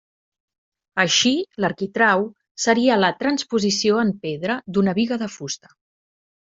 Així l'arquitrau seria la transposició en pedra d'una biga de fusta.